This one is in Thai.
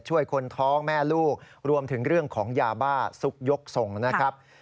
ช่วยคนท้องแม่ลูกรวมถึงเรื่องของยาบ้าซุกยกส่งนะครับ